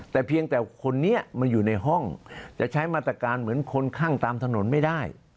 แต่เพียงแต่คนนี้มาอยู่ในห้องจะใช้มาตรการเหมือนคนข้างตามถนนไม่ได้